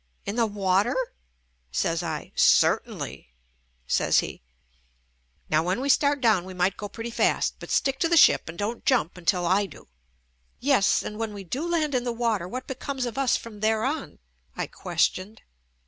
"In the water?" says I. "Certainly," says he. "Now, when we start down we might go pretty fast but stick to the ship and don't jump until I do." "Yes, and when we do land in the water, what becomes of us from there on?" I questioned.